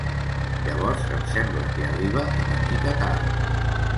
Llavors em sembla que arriba una mica tard.